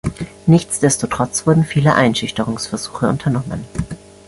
Nichtsdestotrotz wurden viele Einschüchterungsversuche unternommen.